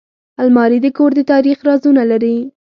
الماري د کور د تاریخ رازونه لري